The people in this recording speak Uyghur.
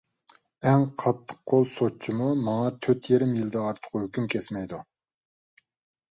ئەڭ قاتتىق قول سوتچىمۇ ماڭا تۆت يېرىم يىلدىن ئارتۇق ھۆكۈم كەسمەيدۇ.